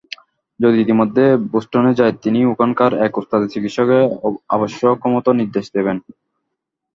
যদি ইতোমধ্যে বোষ্টনে যাই, তিনি ওখানকার এক ওস্তাদ চিকিৎসককে আবশ্যকমত নির্দেশ দেবেন।